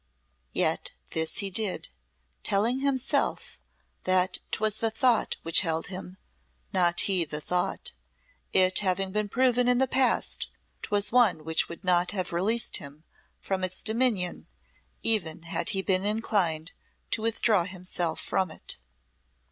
Yet this he did, telling himself that 'twas the thought which held him, not he the thought, it having been proven in the past 'twas one which would not have released him from its dominion even had he been inclined to withdraw himself from it.